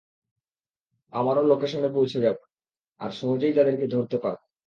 আমারও লোকেশনে পৌঁছে যাবো, আর সহজেই তাদেরকে ধরতে পারবো।